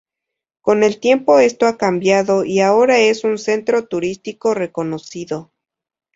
Con el tiempo esto ha cambiado y ahora es un centro turístico reconocido.